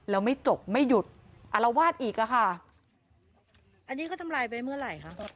อ่ะเราวาดอีกล่ะค่ะอันนี้เขาทำลายไปเมื่อไหร่ค่ะ